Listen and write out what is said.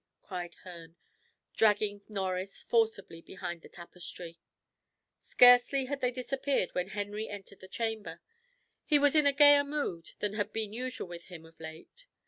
cried Herne, dragging Norris forcibly behind the tapestry. Scarcely had they disappeared when Henry entered the chamber. He was in a gayer mood than had been usual with him of late.